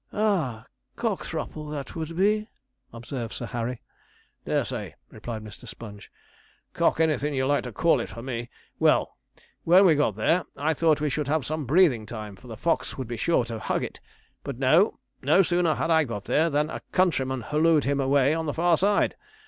'Ah! Cockthropple that would be,' observed Sir Harry. 'Dare say,' replied Mr. Sponge; 'Cock anything you like to call it for me. Well, when we got there, I thought we should have some breathing time, for the fox would be sure to hug it. But no; no sooner had I got there than a countryman hallooed him away on the far side.